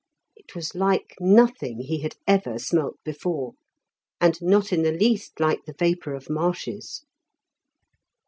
It was like nothing he had ever smelt before, and not in the least like the vapour of marshes.